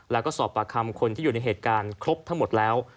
แล้วก็สอบปากคำคนที่อยู่ในเหตุการณ์ครบทั้งหมดแล้ว